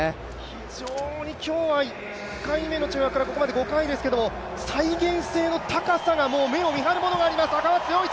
非常に今日は１回目の跳躍からここまで５回目ですけど再現性の高さが目を見張るものがあります、赤松諒一。